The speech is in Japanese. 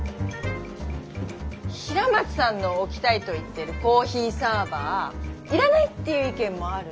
平松さんの置きたいと言ってるコーヒーサーバーいらないっていう意見もあるの。